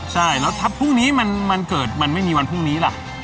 ใช่แล้วถ้าพรุ่งนี้มันเกิดมันไม่มีวันพรุ่งนี้ล่ะ